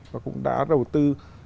và cũng đã đầu tư